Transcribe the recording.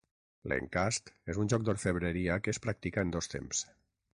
L'encast és un joc d'orfebreria que es practica en dos temps.